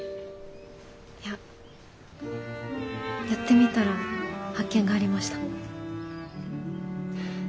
いややってみたら発見がありました。